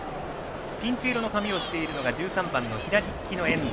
ピンク色の髪をしているのが１３番の左利きの遠藤。